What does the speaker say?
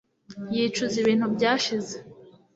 Yicuza ibintu byashize